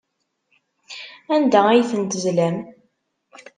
Anda ay ten-tezlam?